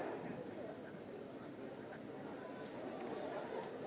iya bebas narkoba enggak